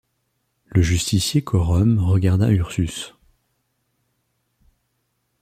Le justicier-quorum regarda Ursus.